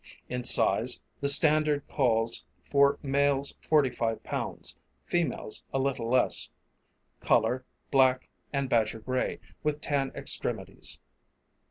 In size, the standard calls for males 45 pounds, females a little less. Color, black and badger gray with tan extremities.